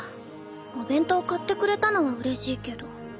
お弁当買ってくれたのはうれしいけど。